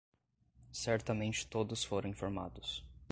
Certamente todos foram informados